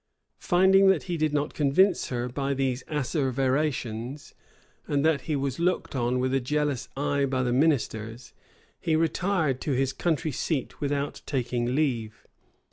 [*] Finding that he did not convince her by these asseverations, and that he was looked on with a jealous eye by the ministers, he retired to his country seat without taking leave.